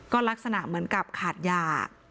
ก็ลักษณะเหมือนกับขาดยา